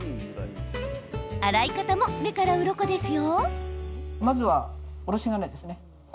洗い方も目からうろこですよ。